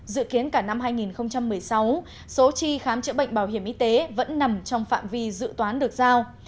dự kiến cả năm hai nghìn một mươi sáu số tri khám chữa bệnh bảo hiểm y tế vẫn nằm trong phạm vi dự toán được giao